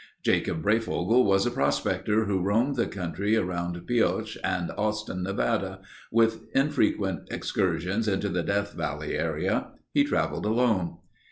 Jacob Breyfogle was a prospector who roamed the country around Pioche and Austin, Nevada, with infrequent excursions into the Death valley area. He traveled alone.